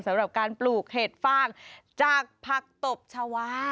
สำหรับการปลูกเห็ดฟางจากผักตบชาวา